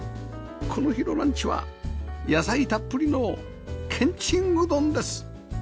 この日のランチは野菜たっぷりのけんちんうどんです